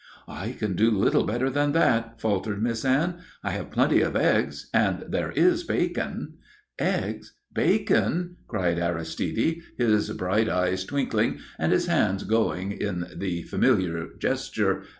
"I can do a little better than that," faltered Miss Anne. "I have plenty of eggs and there is bacon." "Eggs bacon!" cried Aristide, his bright eyes twinkling and his hands going up in the familiar gesture.